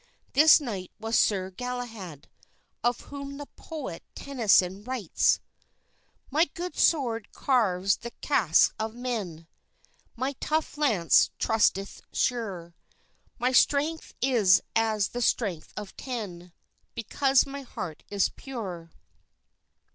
This knight was Sir Galahad, of whom the poet Tennyson writes: "My good sword carves the casques of men, My tough lance thrusteth sure, My strength is as the strength of ten, Because my heart is pure."